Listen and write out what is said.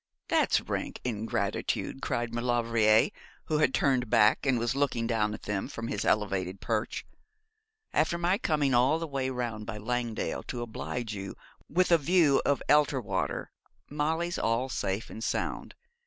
'There's rank ingratitude,' cried Maulevrier, who had turned back, and was looking down at them from his elevated perch. 'After my coming all the way round by Langdale to oblige you with a view of Elterwater. Molly's all safe and sound.